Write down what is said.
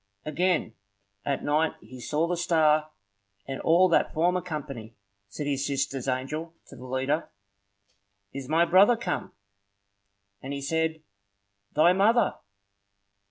Again at night he saw the star, and all that former company. Said his sister's angel to the leader,— "Is my brother come?" And he said, "Thy mother!"